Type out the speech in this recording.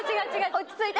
落ち着いて。